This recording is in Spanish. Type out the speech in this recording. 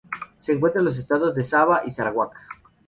Se encuentra en los estados de Sabah y Sarawak.